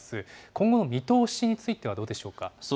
今後の見通しについてはどうでしょうか。